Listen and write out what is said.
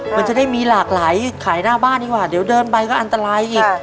มันจะได้มีหลากหลายขายหน้าบ้านดีกว่าเดี๋ยวเดินไปก็อันตรายอีก